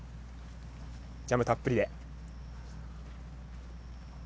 ジャムたっぷりで。